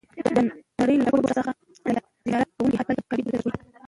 د نړۍ له ګوټ ګوټ څخه زیارت کوونکي هر کال کعبې ته ورځي.